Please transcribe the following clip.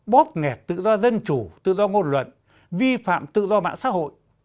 bóp nghẹt tự do dân chủ tự do ngôn luận vi phạm tự do mạng xã hội